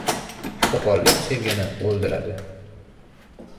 • Qo‘pollik sevgini o‘ldiradi.